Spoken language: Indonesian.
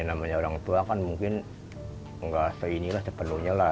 ya namanya orang tua kan mungkin nggak se ini lah sepenuhnya lah